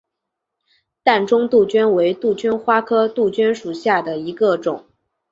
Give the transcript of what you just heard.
淡钟杜鹃为杜鹃花科杜鹃属下的一个种。